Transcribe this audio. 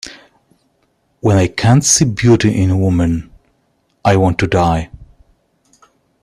When I can't see beauty in woman I want to die.